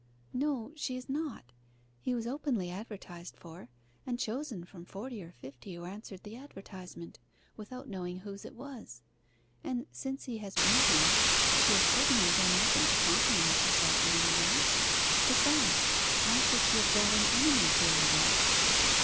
'No she is not. He was openly advertised for, and chosen from forty or fifty who answered the advertisement, without knowing whose it was. And since he has been here, she has certainly done nothing to compromise herself in any way. Besides, why should she have brought an enemy here at all?